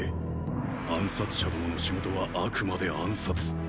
暗殺者どもの仕事はあくまで暗殺。